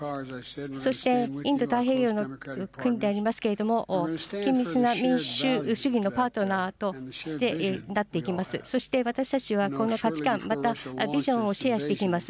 そしてインド太平洋の国でありますけれども、緊密な民主主義のパートナーとしての、そして私たちはこの価値観、またビジョンをシェアしていきます。